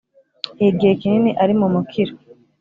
igihe kinini ari mu mukiro